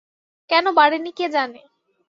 কেন বাড়ে নি কে জানে?